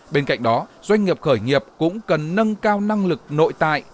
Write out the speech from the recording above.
bên cạnh đó doanh nghiệp khởi nghiệp cũng cần nâng cao năng lực nội tại